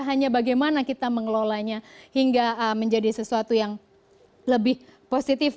hanya bagaimana kita mengelolanya hingga menjadi sesuatu yang lebih positif